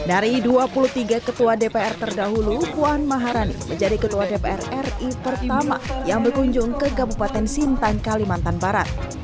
dari dua puluh tiga ketua dpr terdahulu puan maharani menjadi ketua dpr ri pertama yang berkunjung ke kabupaten sintang kalimantan barat